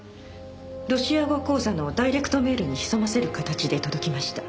ロシア語講座のダイレクトメールに潜ませる形で届きました。